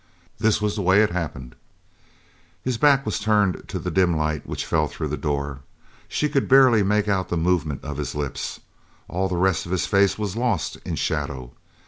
This was the way it happened " His back was turned to the dim light which fell through the door. She could barely make out the movement of his lips. All the rest of his face was lost in shadow.